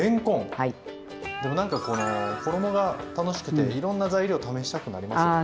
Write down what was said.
なんかこの衣が楽しくていろんな材料試したくなりますね。